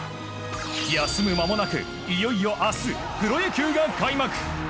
休む間もなくいよいよ明日、プロ野球が開幕。